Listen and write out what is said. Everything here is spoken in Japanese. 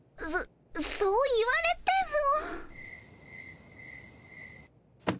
そそう言われても。